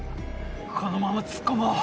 このまま突っ込もう。